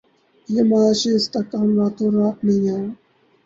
یہ معاشی استحکام راتوں رات نہیں آیا